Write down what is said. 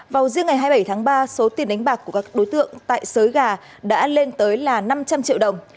vào riêng ngày hai mươi bảy tháng ba số tiền đánh bạc của các đối tượng tại xới gà đã lên tới là năm trăm linh triệu đồng